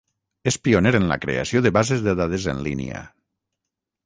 És pioner en la creació de bases de dades en línia.